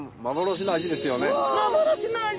幻の味！？